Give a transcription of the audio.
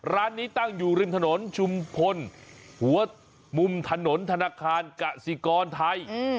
ร้านนี้ตั้งอยู่ริมถนนชุมพลหัวมุมถนนธนาคารกสิกรไทย